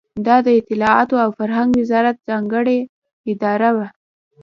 دا د اطلاعاتو او فرهنګ وزارت ځانګړې اداره وه.